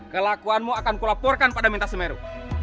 kelakuanmu akan kulaporkan pada minta semeru